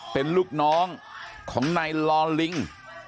เป็นลูกน้องของนายลอลิง